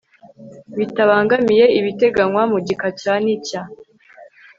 bitabangamiye ibiteganywa mu gika cya n icya